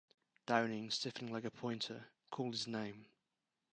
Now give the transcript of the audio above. Downing, stiffening like a pointer, called his name.